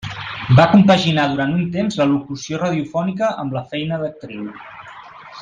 Va compaginar durant un temps la locució radiofònica amb la feina d'actriu.